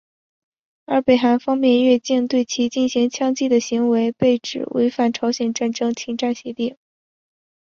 而北韩方面越境对其进行枪击的行为被指违反朝鲜战争停战协定。